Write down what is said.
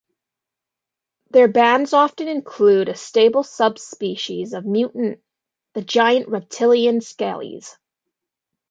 Their bands often include a stable sub-species of mutant, the giant reptilian Scalies.